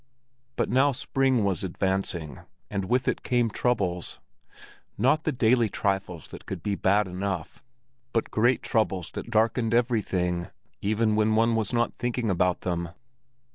But now spring was advancing, and with it came troubles—not the daily trifles that could be bad enough, but great troubles that darkened everything, even when one was not thinking about them.